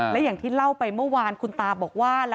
และอย่างที่เล่าไปเมื่อวานคุณตาบอกว่า